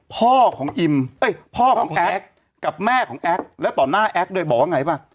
พ่อของอิมพ่อของแอ๊กกับแม่ของแอ๊กแล้วต่อหน้าแอ๊กโดยบอกว่าไงป่ะ